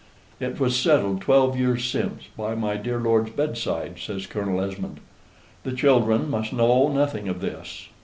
"It was settled twelve years since, by my dear lord's bedside," says Colonel Esmond. "The children must know nothing of this.